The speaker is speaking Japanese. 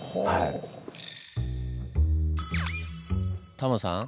タモさん